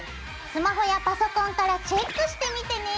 スマホやパソコンからチェックしてみてね。